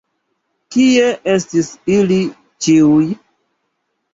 Kie estis ili ĉiuj?